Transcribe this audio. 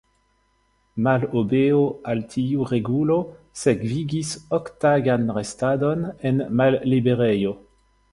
Malobeo al tiu regulo sekvigis ok-tagan restadon en malliberejo.